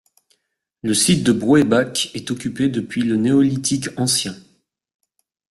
Le site de Bruebach est occupé depuis le Néolithique ancien.